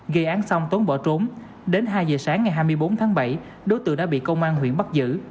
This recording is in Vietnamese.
gây án xong tuấn bỏ trốn đến hai giờ sáng ngày hai mươi bốn tháng bảy đối tượng đã bị công an huyện bắt giữ